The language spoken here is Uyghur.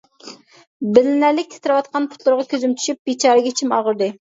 بىلىنەرلىك تىترەۋاتقان پۇتلىرىغا كۆزۈم چۈشۈپ بىچارىگە ئىچىم ئاغرىدى.